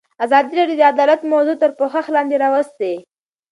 ازادي راډیو د عدالت موضوع تر پوښښ لاندې راوستې.